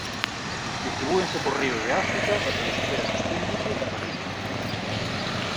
Distribúense por ríos de África e polos océanos Índico e Pacífico.